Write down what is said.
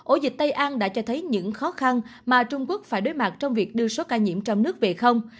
ổ dịch tây an đã cho thấy những khó khăn mà trung quốc phải đối mặt trong việc đưa số ca nhiễm trong nước về không